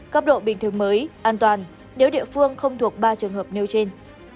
cấp độ bình thường mới an toàn nếu địa phương không thuộc ba trường hợp nêu trên